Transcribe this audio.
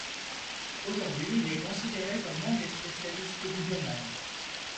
Aujourd'hui, il est considéré comme l'un des spécialistes du domaine.